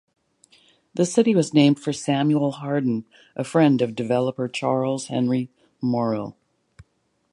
The city was named for Samuel Hardin, a friend of developer Charles Henry Morrill.